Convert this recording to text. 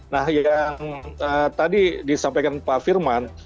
nah yang tadi disampaikan pak firman